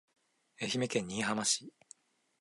愛媛県新居浜市